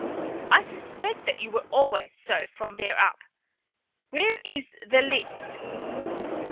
I suspect that you were always so from there up. Where is the list?"